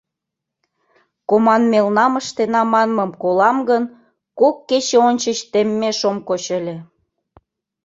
«Команмелнам ыштена» манмым колам гын, кок кече ончыч теммеш ом коч ыле.